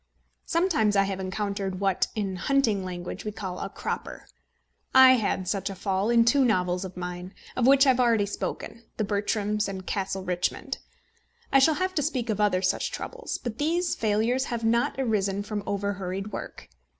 Sometimes I have encountered what, in hunting language, we call a cropper. I had such a fall in two novels of mine, of which I have already spoken The Bertrams and Castle Richmond. I shall have to speak of other such troubles. But these failures have not arisen from over hurried work.